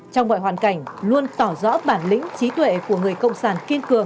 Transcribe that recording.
trong mọi hoàn cảnh luôn tỏ rõ bản lĩnh trí tuệ của người cộng sản kiên cường